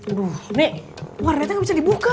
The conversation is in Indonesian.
aduh nih warnanya nggak bisa dibuka